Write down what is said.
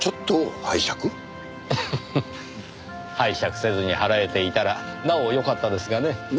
フフ拝借せずに払えていたらなおよかったですがね。